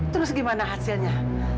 terus gimana hasilnya